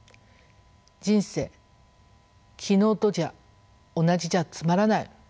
人生昨日と同じじゃつまらない。